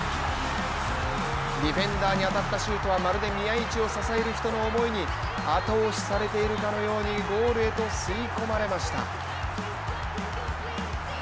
ディフェンダーに当たったシュートはまるで宮市を支える人の思いに後押しされているかのようにゴールへと吸い込まれました。